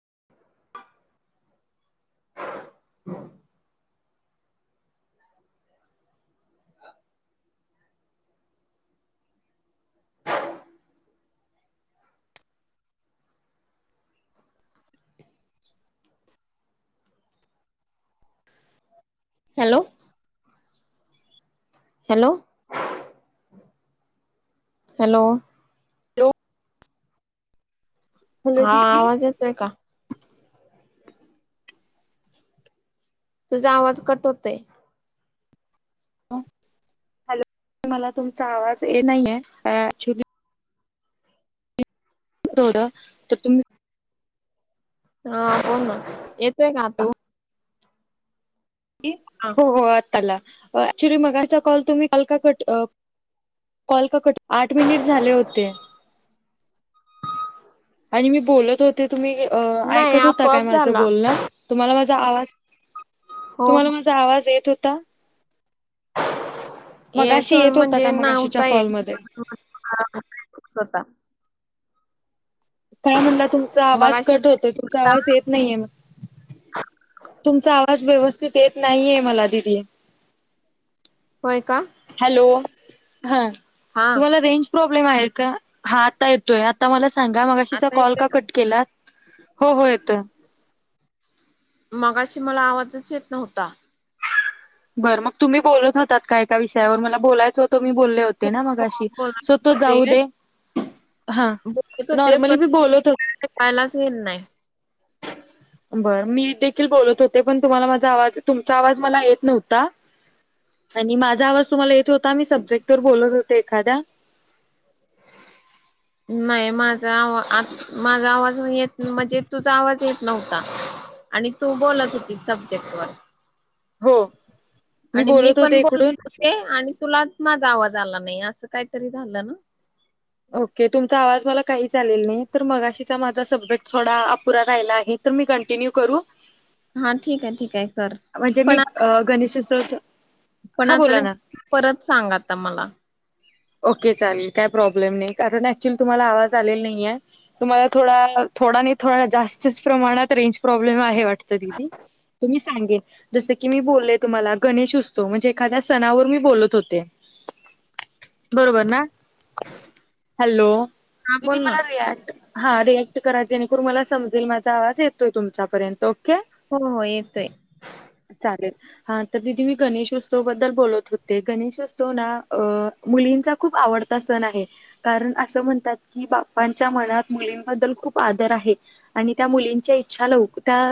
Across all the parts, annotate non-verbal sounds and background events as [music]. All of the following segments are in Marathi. [inaudible] Hello. Hello. Hello hello hello हा दिदी आवाज येतोय का? तुझा आवाज कट होतय हॅलो मला तुमचा आवाज ये नाही आहे ऍक्चुली थोडं तर तुम् हा बोल ना, येतोय का आता. हा हो हो आता आला ऍक्च्युली मगाचा कॉल तुम्ही काॅल का कट अं कॉल का कट आठ मिनिट झाले होते. ह [inaudible] आणि मी बोलत होते तुम्ही अं.. नाही ऐकत होता काय आपोआप माझं झाला बोलणं तुम्हाला माझा आवाज हो तुम्हाला माझा आवाज येत होता येत मगाशी होता म्हणजे का मगाशीच्या नव्हता येत कॉलमध्ये हासा काय म्हणलं तुमचा आवाज मगाशी कट होतोय तुमचा आवाज येत नाहीे मग तुमचा आवाज व्यवस्थित येत नाहीये मला दिदी होय का हॅलो हा हा तुम्हाला रेंज प्रॉब्लेम आहे का हा आता येतोय आता मला स सांगा मगाशीचा आता कॉल येतोय का कट केला हो हो येतोय मगाशी मला आवाजच येत नव्हता बर मग तुम्ही बोलत होतात काय का विषयावर मला बोलायचं होत तो मी बोलले होते ना मग हो अशी बोलत सो तो होते जाऊ दे हा बोलत होते नॉर्मली पण मी बोलत होते ऐकायलाच नाही बरं मी देखील बोलत होते पण तुम्हाला माझा आवाज तुमचा आवाज मला येत नव्हता आणि माझा आवाज तुम्हाला येत होता मी सब्जेक्ट वर बोलत होते एखाद्या नाही माझा आवाज वाज - माझा- म्हणजे तुझा आवाज येत नव्हता आणि तू बोलत होती सब्जेक्ट वर हो आणि मी बोलत पण होते इकडून बोलत होते आणि तुला माझा आवाज आला नाही असं काहीतरी झालं ना ओके तुमचा आवाज मला काही चालेल नाही तर मगाशीचा माझा सब्जेक्ट थोडा अपुरा राहिला आहे तर मी कंटिन्यू करू हा ठीक आहे ठीक आहे कर म्हणजे मी पण गशो सोज पण आता परत सांग आता मला ओके चालेल काय प्रॉब्लेम नाही कारण ऍक्च्युली तुम्हाला आवाज आलेला नाही आहे तुम्हाला थोडा थोडा नाही थोडा जास्तच प्रमाणात रेंज प्रॉब्लेम आहे वाटत तिथे सांगे जस की मी बोलले तुम्हाला गणेश उत्सव म्हणजे एखाद्या सणावर मी बोलत होते [inaudible] बरोबर ना हॅलो हा दिदी बोल ना मला रियाक्ट हा रिॲक्ट कराय जेणेकरून मला समजेल माझा आवाज येतोय तुमच्यापर्यंत ओके हो हो येतोय चालेल. हा तर तथ मी गणेशोत्सव बद्दल बोलत होते गणेशोत्सव ना मुलीं आण अस म्हणात बाच्या मनात मुब ख आ त्या मुलींच्या इच्छा ल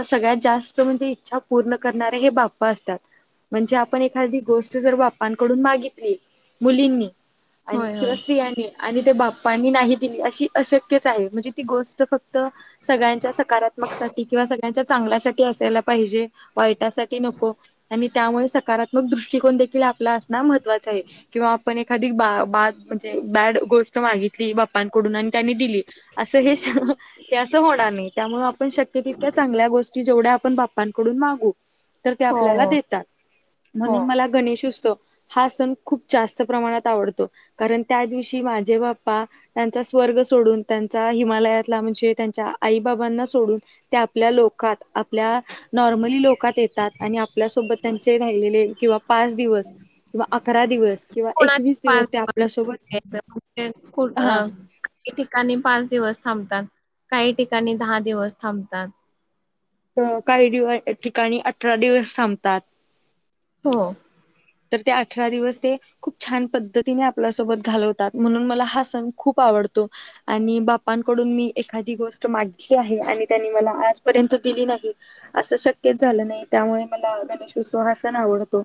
सगळ्यात जास्त म्हणजे इच्छा पूर्ण करणारे हे बा बा् असतात म्हणजे आपण एखादी गोष्ट जर बाप्पांकडून मागितली मुलींनी आणि होय किंवा होय स्त्रियांनी आणि ते बाप् पाणी नाही दिली अशी अशक्यच आहे म्हणजे ती गोष्ट फक्त सगळ्यांच्या सकारात्मक साठी किंवा सगळ्यांच्या चांगल्यासाठी असायला पाहिजे वाईटासाठी नको आणि त्यामुळे सकारात्मक दृष्टिकोन देखील आपला असो महत्वाच आहे किंवा आपण एक एखादी बा बा म्हणजे बॅड गोष्ट मागितली बाप्पांकडून आणि त्यांनी दिली असं हे ते असं होणार नाही त्यामु आपण शक्य तितल्या चांगल्या गोष्टी जेवढ्या आपण बाप्पांकडून मागू तर ते हो आपल्याला हो देतात हो म्हणून मला गणेशोत्सव हा सण खूप जास्त प्रमाणात कारण त्या दिवशी माझे बाप्पा त्यांचा स्वर्ग सोडून त्यांचा हिमालयातला े त्यांच्या आई बाबांना सोडून आपल्या लोक आपल्या नॉर्मली लोकात येतात आपल्या सोत त्यां रा किवा पाच दिवस किवा अकरा दिवस किं कोणाचे एकस पाच दिवस असणु अ हा ठिकाणी पाच दिवस थांबतात काही ठिकाणी दहा दिवस थांबतात अ काही दिव ठिकाणी अठरा दिवस थांबतात हो तर ते अठरा दिवस ते खूप छान पद्धतीने आपल्यासोबत घालवतात म्हणून मला हा सण खूप आवडत वडतो आणि बापांकडून मी एखादी गोष्ट मागितली आहे आणि त्यांनी मला आजपर्यंत दिली नाही असं शक्य झालं नाही. त्यामुळे मला गणेशोत्सव हा सण आवडतो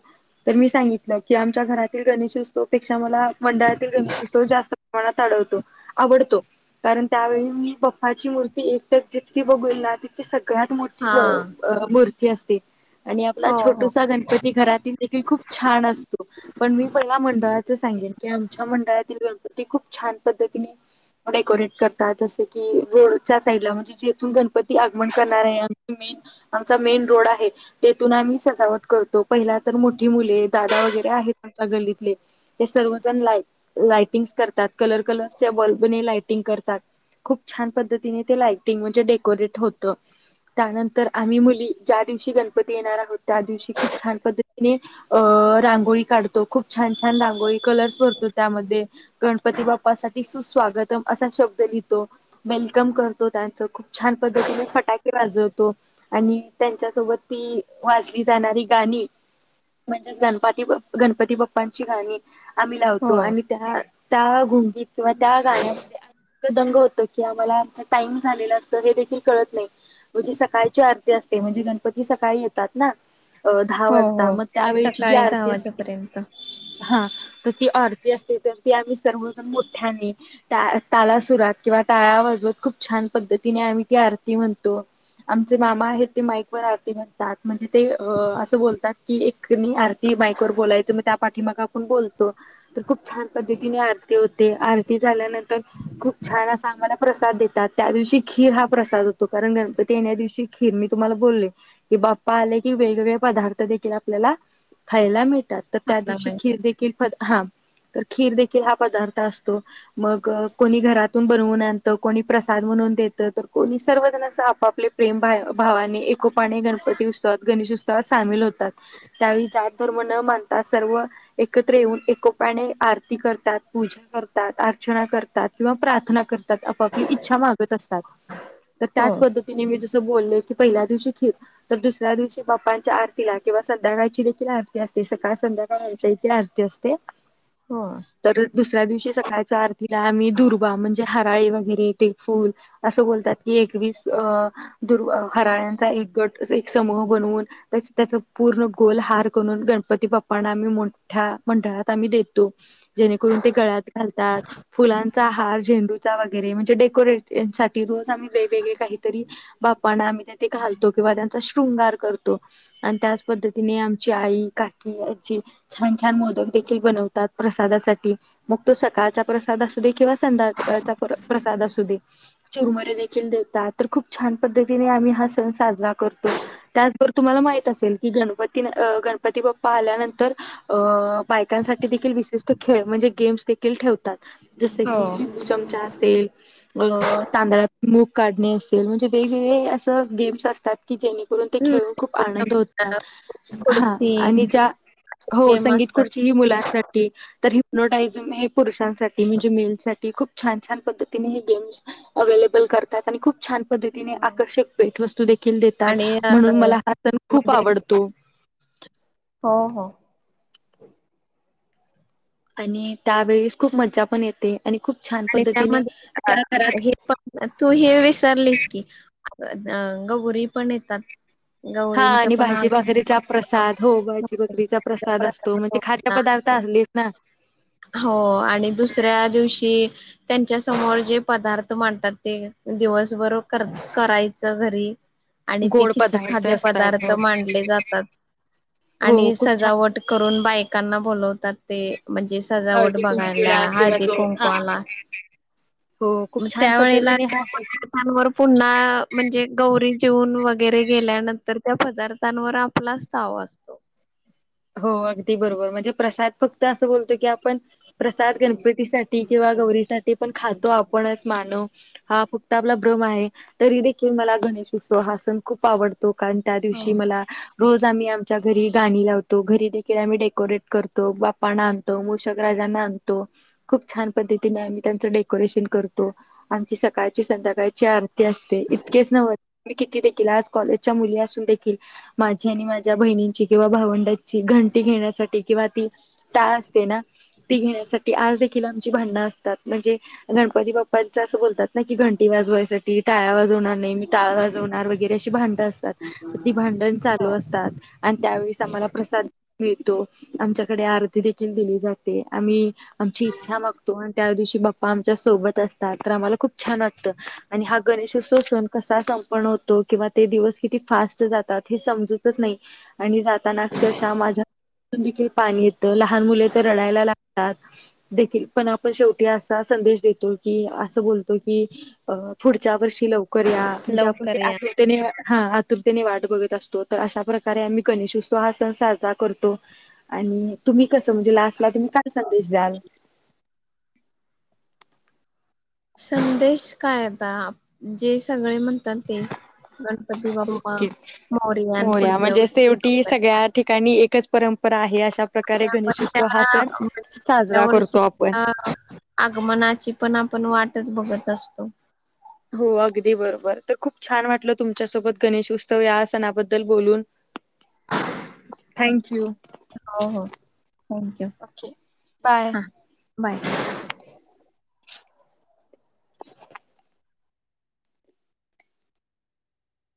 तर मी सांगितलं की आमच्या घरातील गणेशोत्सवपेक्षा मला मंडळातील गणेशोत्सव जास्त प्रमाणात आढवत आवडतो. कारण त्यावेळी मी पपाची मूर्ती एकतर जितकी बघेल ना. सगळ्यात मोठी हा मूर्ती असते आणि आपला हो हो छोटूसा गणपती घरातील देखील खूप छान असतो पण मी पण ना मंडळाच सांगेन. की आमच्या मंडळातील गण पती खूप छान पद्धतीने डेकोरेट करतात. जसं की रोडच्या साईडला म्हणजे जेथून गणपती आगमन करणार आहे आणि आमचा मेन रोड आहे तेथून आम्ही सजावट करतो पहिला तर मोठी मुले दादा वगैरे आहेत आमच्या गल्लीतले ते सर्वजण लाई लायटिंग्स करतात कलर कलर्सच्या बल्बने लाइटिंग करतात. खूप छान पद्धतीने ते लाइटिंग म्हणजे डेकोरेट होतं. त्यानंतर आम्ही मुली ज्या दिवशी गणपती येणार आहोत त्या दिवशी खूप छान पद्धती ने रांगोळी काढतो खूप छान छान रांगोळी कलर्स भरतो त्यात, त्यामध्ये गणपती बाप्पा साठी सुस्वागतम असा शब्द लिह तो. वेलकम करतो. त्यांनंतर खूप छान पद्धतीने फटाके वाजवतो आणि त्यांच्या सोबत वाजली जाणारी गाणी म्हणजेच गणपती गणपती बाप्पांची गाणी आम्ही लावतो हो आणि त्या गु किंवा त्या गाण्यात दंग होत की, आम्हाला आमचं टाइम झालेलं असतं हे देखील कळत नाही. म्हणजे सकाळची आरती असते म्हणजे गणपती सकाळी येतात ना अ दहा हो वाजता. हो त्या वेळेची जी सकाळी दहा आरती असते. वाजेपर्यंत हा तर ती आर रती असते तर आम्ही सर्वजण मोठ्याने ताला सुरात किंवा टाळ्या वाजवत खूप छान. पद्धतीने आम्ही ती आरती म्हणतो. आमचे मामा आहेत ते माईक वर आरती म्हणतात म्हणजे ते असं बोलतात. कि एक आरती माईक वर बोलायचं मग त्या पाठी माग आपण बोलतो तर खूप छान पद्धतीने आर ती होते. आरती झाल्यानंतर खूप छान आम्हाला प्रसाद देतात त्या दिवशी खीर हा प्रसाद. चालू होतो. गणपती येण्या दिवशी खीर मी तुम्हाला बोलले की, बाप्पा आले की वेगवेगळे पदार्थ देखी ल आपल्याला खायला मिळतात तर त्या खायला दिवशी पाहिजे खीर देखील हा तर खीर देखील हा पदार्थ असतो मग कोणी घरातून बनवून आणत कोणी प्रसाद म्हणून देत तर कोणी सर्वजण असं आपापले प्रेम भावाने एकोपाने गणपती उत्सवात गणेश उत्सवात पुस्तकात सामील होतात. त्यावेळी जात धर्म न मानता सर्व एकत्र येऊन एकोप्याने आरती करतात. पूजा करतात अर्चना करतात किंवा प्रार्थना करतात आपापली इच्छा मागत असतात. तर हो त्याच पद्धतीने मी जसं बोलल की पहिल्या दिवशी खिर तर दुसऱ्या दिवशी बाप्पांच्या आरतीला किंवा संध्याकाळची देखील आरती असते सकाळ संध्याकाळ आमच्या इथे आरती असते. हो. तर दुसऱ्या दिवशी सकाळच्या आरतीला आम्ही दुर्वा म्हणजे हराळी वगैरे ते फुल असं बोल तात एकवीस दुर् हराळ्याचा एक गट एक समूह बनवून त्याच. पूर्ण गोल हार करून गणपती बाप्पांना आम्ही मोठ्या मंडळात आम्ही देतो जेणेकरून. ते गळ्यात घालतात फुलांचा हार झेंडूचा वगैरे म्हणजे डेकोरेट रोज आम्ही वेगवेगळे काहीतरी बाप्पांना आम्ही ते घालतो किंवा त्यांचा शृंगार करतो आणि त्याच पद्धतीने आमची आई काकी आजी छान छान मोदक देखील बनवतात प्रसादासाठी. मग तो सकाळचा प्रसाद असू दे किंवा संध्याकाळचा प्रसाद असू दे चिरमुरे देखील. देतात. खुप छान पद्धतीने आम्ही हा सण साजरा करतो त्याचबरोबर तुम्हाला माहित असेल. कि गणपती गणपती बाप्पा आल्यानंतर अ बायकांसाठी देखील विशिष्ट खेळ म्हणजे. गेम्स देखील ठेवतात जस की हो लिंबू चमचा असेल. अ तांदळात मूग काढणे असेल म्हणजे वेगवेगळे असं गेम्स असतात की जेणेकरून ते हम्म खे खूप आनं हा खुर्ची आणि ज्या असे हो गेम संगीत असतात. खुर्ची ही मुलांसाठी तर नोटायझम हे पुरुषांसाठी म्हणजे मेलसाठी, खूप छान छान पद्धतीने हे गेम्स अवेलेबल करतात आणि खूप छान पद्धतीने हो. आकर्षक भेटवस्तू दे खील देतात, आणि अ, म्हणून मला हा सण खूप मध्येच आवडतो. हो हो. आणि त्यावेळेस खूप मज्जापण येते. आणि खूप छान आणि पद्धतीने त्या त्यामध्ये घरात हेपण तू हे विसरलीस की. अंग अ गौरीपण येतात. हा गौरींच आणि पण भाजी आगमन भाकरीचा प्रसाद. हो भाजी भाकरीचा होण्याचा प्रसाद असतो, मग ते गौरींना खाद्यपदार्थ आ असतो. णलीस ना. हो आणि दुसऱ्या दिव शी त्यांच्यासमोर जे पदार्थ मांडतात, ते दिवसभर कर करायचं. घरी आणि ते गोड किती पदार्थ असतात खाद्यपदार्थ हो मांडले जातात. हो आणि खूप छान सजावट करून बायकांना बोलवतात ते म्हणजे सजावट हळदी बघायला कुंकूला किंवा हळदी तो हा हो खूप छान त्यावेळेला पद्धतीने हा त्या सण पदार्थांवर पुन्हा म्हणजे गौरी जेऊन वगैरे गेल्यानंतर, त्या पदार्थांवर आपलाच ताव असतो. हो अगदी बरोबर, म्हणजे प्रसाद फक्त असं बोलतो की आ पण प्रसाद गणपतीसाठी किंवा गौरीसाठी पण खातो आपणच मानव. हा आपला भ्रम आहे. तरीदेखील मला गणेश उत्सव हा सण खूप आवड तो. कारण त्या दिवशी हो. मला रोज आम्ही आमच्या घरी गाणी लाव तो. घरीदेखील आम्ही डेकोरेट करतो, बाप्पाला आणतो, मूषक राजांना आणतो. खूप छान पद् धतीने आम्ही त्यांच डेकोरेशन करतो. आमची सकाळची संध्याकाची आरती असते. इतकेच नव्ह आणि कितीदेखील आज कॉलेजच्या मुली असूनदेखील माझी आणि माझ्या बहिणींची किंवा भावंडां चि घंटी घेण्यासाठी किंवा ती टाळ असते ना, ती घेण्यासाठी आजदेखील आमची भांडण अस असतात म्हणजे गणपती बाप्पांचा असं बोलतात ना की घंटी वाजवायसाठी, टाळ्या वाजवणार नाही, मी टाळ वाजवणार वगैरे अशी भांडणं असतात. ती भांड णं चालू असतात आणि त्यावेळीच आम्हाला प्रसाद मिळतो. आमच्याकडे आरतीदेखील दिली जाते. आम्ही आमची इच्छा मागतो आणि त्यादिवशी बाप्पा आमच्या सोबत असतात, तर आम्हाला खूप छान वाटतं. आणि हा गणेशोत्सव सन कसा संपन्न होतो किंवा ते दिवस किती फास्ट जातात, हे समजतच नाही आणि जाताना अक्षरशः माझ्या तोंडून देखील पाणी येतं, लहान मुले तर रडायला लाग तातदेखील. पण आपण शेवटी असा संदेश देतो की, असं बोलतो की अ पुढच्या वर्षी लवकर या. म्हणजे आपण ते लवकर या आतुरतेने हा आतुरतेने वाट बघत असतो, तर अशा प्रकारे आम्ही गणेश उत्स व हा सन साजरा करतो आणि तुम्ही कसं म्हणजे लास्टला तुम्ही काय संदेश द्याल? संदेश काय आता जे सगळे म्हणतात ते. गणपती बाप्पा ओके मोरया. पुढच्या म्हणजे शेवटी वर्षी सगळ्या ठिकाणी एकच परंपरा आहे, अशा प्रकारे पण गणेशोत्सव हा त्या सण सा पुढच्या वर्षी [unintelligible] आगमनाची पण आपण वाटच बघत असतो. हो अगदी बरोबर. तर खूप छान वाटल तुमच्यासोबत गणेश उत्सव या सणाबद्दल बोलून. Thank you. हो हो, थँक यू. Okay bye. हा बाय.